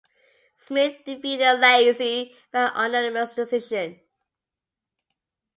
Smith defeated Lacy by a unanimous decision.